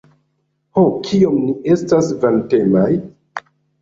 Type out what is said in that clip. Ho, kiom ni estas vantemaj!